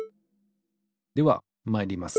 ではまいります。